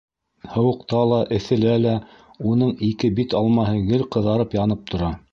Һыуыҡта ла, эҫелә лә уның ике бит алмаһы гел ҡыҙарып янып тора.